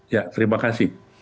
ya terima kasih